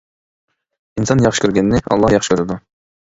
ئىنسان ياخشى كۆرگەننى ئاللا ياخشى كۆرىدۇ.